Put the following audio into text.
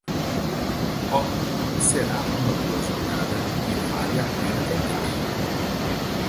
Oh, será uma boa jogada e vale a pena tentar.